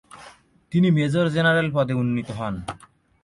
তিনি মেজর-জেনারেল পদে উন্নীত হন।